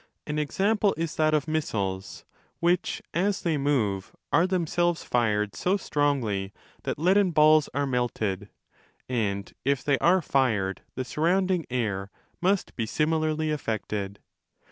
2— An example is that of missiles, which as they move are themselves fired so strongly that leaden balls are melted ; and if they are fired the surround 25 ing air must be similarly affected.